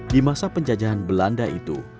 di masa penjajahan belanda itu